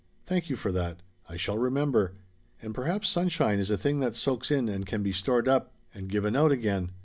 Thank you for that. I shall remember. And perhaps sunshine is a thing that soaks in and can be stored up, and given out again.